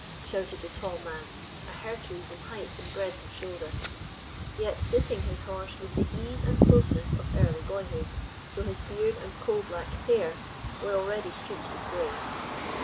shouted the tall man, a Hercules in height and breadth of shoulder, yet sitting his horse with the ease and closeness of early boyhood, though his beard and coal black hair were already streaked with grey.